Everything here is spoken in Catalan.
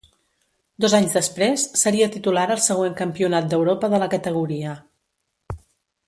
Dos anys després, seria titular al següent campionat d'Europa de la categoria.